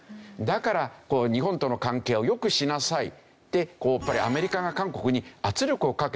だからこう日本との関係を良くしなさいってやっぱりアメリカが韓国に圧力をかけてるんですよね。